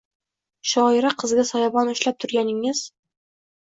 shoira qizga soyabon ushlab turganingiz